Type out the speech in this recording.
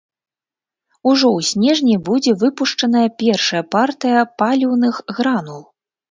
Ужо ў снежні будзе выпушчаная першая партыя паліўных гранул.